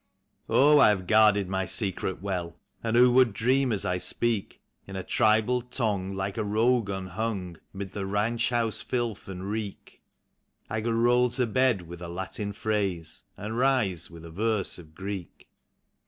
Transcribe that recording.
Oh, I have guarded my secret well ! And who would dream as I speak In a tribal tongue like a rogue unhung, 'mid the ranch house filth and reek, I could roll to bed with a Latin phrase, and rise with a verse of Greek?